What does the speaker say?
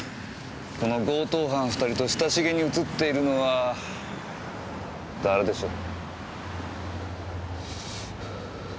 この強盗犯２人と親しげに写っているのは誰でしょう？